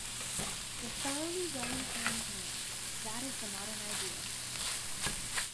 The thoroughly well-informed man — that is the modern ideal.